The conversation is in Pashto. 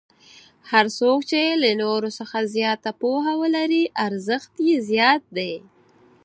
هر څوک چې له نورو څخه زیاته پوهه ولري ارزښت یې زیات دی.